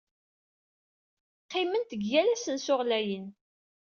Qqiment deg yal asensu ɣlayen.